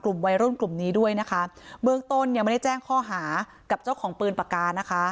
กลุ่มวัยรุ่นกลุ่มนี้ด้วยนะคะเบื้องต้นยังไม่ได้แจ้งข้อหากับเจ้าของปืนปากกานะคะ